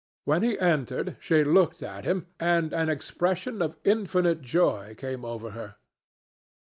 When he entered, she looked at him, and an expression of infinite joy came over her.